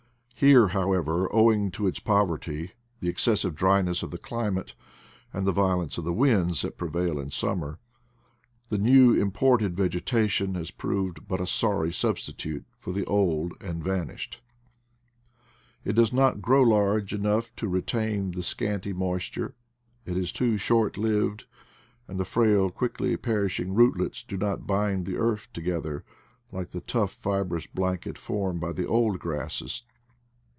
Here, however, owing to its poverty, the excessive dryness of the climate, and the violence of the winds that prevail in sum mer, the new imported vegetation has proved but a sorry substitute for the old and vanished. It does not grow large enough to retain the scanty moisture, it is too short lived, and the frail quickly perishing rootlets do not bind the earth together, like the tough fibrous blanket formed by the old grasses.